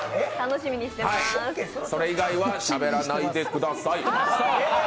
それ以外はしゃべらないでください。